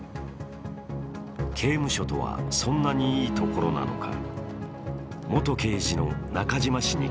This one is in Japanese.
刑務所とは、そんなにいいところなのか。